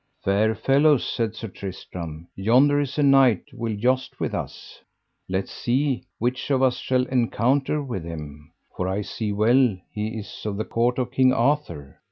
Fair fellows, said Sir Tristram, yonder is a knight will joust with us, let see which of us shall encounter with him, for I see well he is of the court of King Arthur.